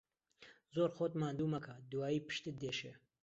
زۆر خۆت ماندوو مەکە، دوایێ پشتت دێشێ.